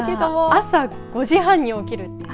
朝５時半に起きるってね。